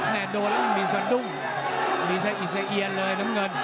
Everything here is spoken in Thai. แม่โดนแล้วมีสันดุ้งมีสันอิสระเอียนเลยน้ำเงิน